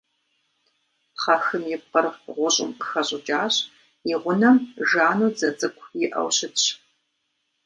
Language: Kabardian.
Пхъэхым и пкъыр гъущӏым къыхэщӏыкӏащ, и гъунэм жану дзэ цӏыкӏу иӏэу щытщ.